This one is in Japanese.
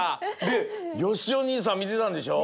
でよしお兄さんみてたんでしょ？